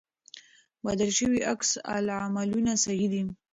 بدل شوي عکس العملونه صحي دي.